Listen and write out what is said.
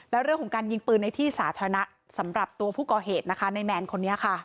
แล้วเรื่องของการยิงปืนในที่สาธารณะสำหรับตัวผู้ก่อเหตุนะคะในแมนคนนี้ค่ะ